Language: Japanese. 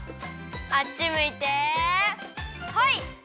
あっちむいてホイ！